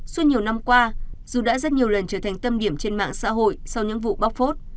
suốt nhiều năm qua dù đã rất nhiều lần trở thành tâm điểm trên mạng xã hội sau những vụ bóc phốt